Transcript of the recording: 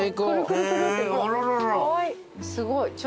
すごい。